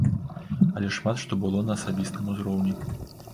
Але шмат што было на асабістым узроўні.